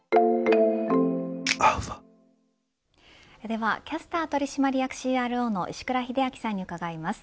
ではキャスター取締役ＣＲＯの石倉秀明さんに伺います。